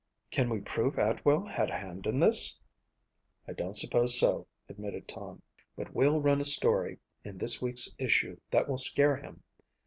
"Can we prove Atwell had a hand in this?" "I don't suppose so," admitted Tom, "but we'll run a story in this week's issue that will scare him.